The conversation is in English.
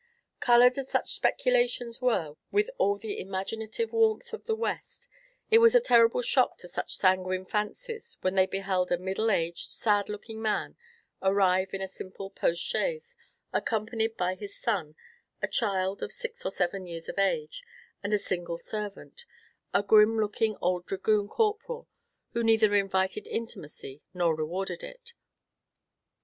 Colored as such speculations were with all the imaginative warmth of the west, it was a terrible shock to such sanguine fancies when they beheld a middle aged, sad looking man arrive in a simple postchaise, accompanied by his son, a child of six or seven years of age, and a single servant, a grim looking old dragoon corporal, who neither invited intimacy nor rewarded it.